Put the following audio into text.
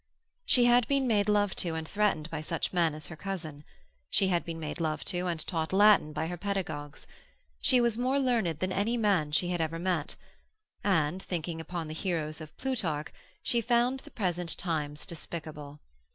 She had been made love to and threatened by such men as her cousin; she had been made love to and taught Latin by her pedagogues. She was more learned than any man she had ever met and, thinking upon the heroes of Plutarch, she found the present times despicable.